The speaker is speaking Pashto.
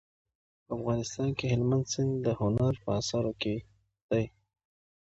په افغانستان کې هلمند سیند د هنر په اثارو کې دی.